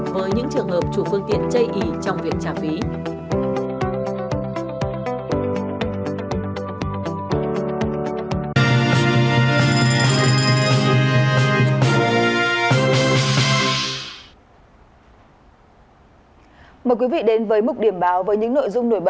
với những trường hợp chủ phương tiện chây ý trong việc trả phí